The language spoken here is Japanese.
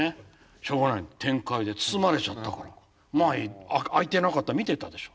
しょうがない展開で包まれちゃったから前空いてなかったの見てたでしょ？